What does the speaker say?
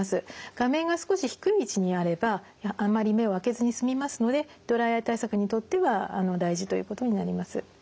画面が少し低い位置にあればあまり目を開けずに済みますのでドライアイ対策にとっては大事ということになります。